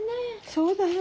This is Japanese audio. そうだよ。